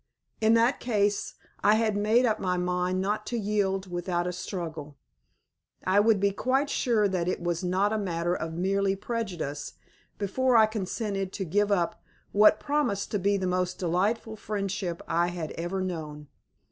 In that case I had made up my mind not to yield without a struggle. I would be quite sure that it was not a matter of merely prejudice before I consented to give up what promised to be the most delightful friendship I had ever known.